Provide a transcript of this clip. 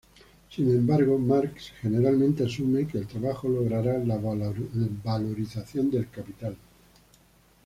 Sin embargo, Marx generalmente asume que el trabajo logrará la valorización del capital.